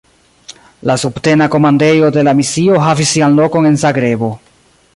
La subtena komandejo de la misio havis sian lokon en Zagrebo.